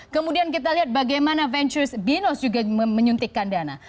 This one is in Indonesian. kemudian kita lihat bagaimana ventures binos juga menyuntikkan dana